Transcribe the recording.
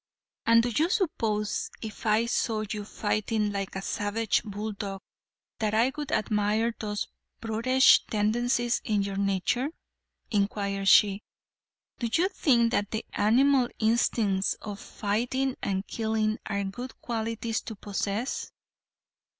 "And do you suppose if I saw you fighting like a savage bulldog that I would admire those brutish tendencies in your nature?" inquired she. "Do you think that the animal instincts of fighting and killing are good qualities to possess?